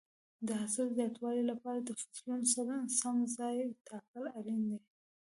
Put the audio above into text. د حاصل د زیاتوالي لپاره د فصلونو سم ځای ټاکل اړین دي.